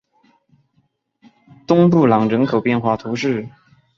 东布朗人口变化图示